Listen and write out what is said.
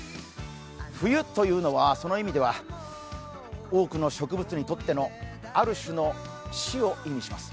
冬というのは、その意味では、多くの植物にとってのある種の死を意味します。